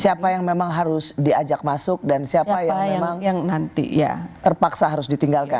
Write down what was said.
siapa yang memang harus diajak masuk dan siapa yang memang nanti terpaksa harus ditinggalkan